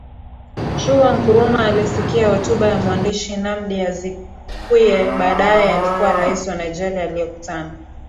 chuo Nkrumah alisikia hotuba ya mwandishi Nnamdi Azikiwe baadaye alikuwa rais wa Nigeria Alikutana